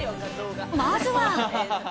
まずは。